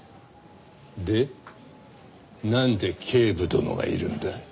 でなんで警部殿がいるんだ？